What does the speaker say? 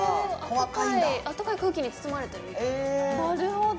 あったかい空気に包まれてるみたいななるほど！